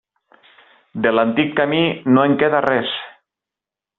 De l'antic camí no en queda res.